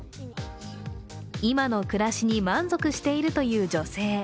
今の暮らしに満足しているという女性。